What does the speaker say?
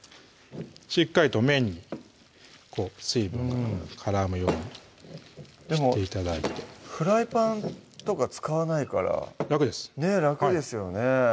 しっかりと麺に水分が絡むようにでもフライパンとか使わないから楽ですねぇ楽ですよねぇ